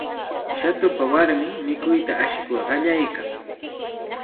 Shatupa warmin mikuyta ashikur qallaykan.